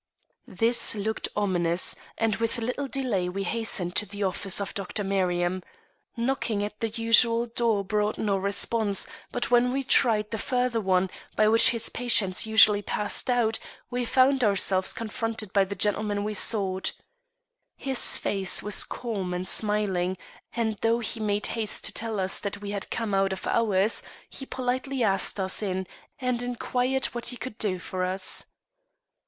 This looked ominous, and with little delay we hastened to the office of Dr. Merriam. Knocking at the usual door brought no response, but when we tried the further one, by which his patients usually passed out, we found ourselves confronted by the gentleman we sought. His face was calm and smiling, and though he made haste to tell us that we had come out of hours, he politely asked us in and inquired what he could do for us.